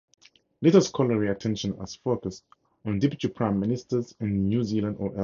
Little scholarly attention has focused on deputy prime ministers in New Zealand or elsewhere.